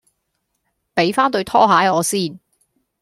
俾番對拖鞋我先